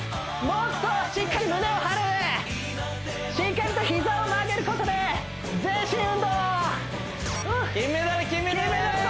もっとしっかり胸を張るしっかりと膝を曲げることで全身運動金メダル金メダル！